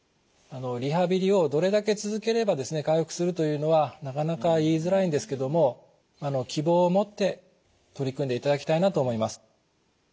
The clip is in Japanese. リハビリをどれだけ続ければですね回復するというのはなかなか言いづらいんですけども希望を持って取り組んでいただきたいなと思います。